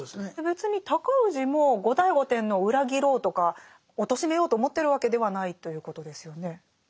別に尊氏も後醍醐天皇を裏切ろうとかおとしめようと思ってるわけではないということですよね。